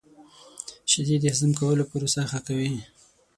• شیدې د هضم کولو پروسه ښه کوي.